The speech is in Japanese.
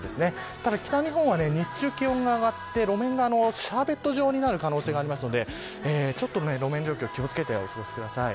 ただ北日本は日中気温が上がって路面がシャーベット状になる可能性があるのでちょっと路面状況に気を付けてお過ごしください。